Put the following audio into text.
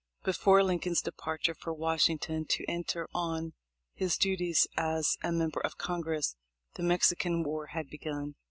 Before Lincoln's departure for Washington to enter on his duties as a member of Congress, the Mexican war had begun.